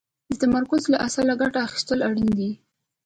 د تمرکز له اصله ګټه اخيستل اړين دي.